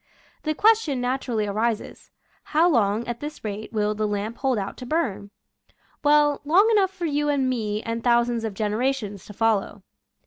The question naturally arises: How long at this rate will " the lamp hold out to burn "? Well, long enough for you and me and thou sands of generations to follow.